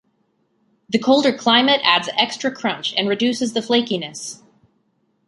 The colder climate adds extra crunch and reduces the flakiness.